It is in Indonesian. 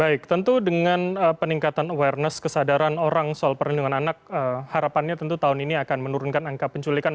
baik tentu dengan peningkatan awareness kesadaran orang soal perlindungan anak harapannya tentu tahun ini akan menurunkan angka penculikan